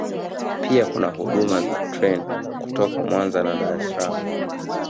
Pia kuna huduma za treni kutoka Mwanza na Dar es Salaam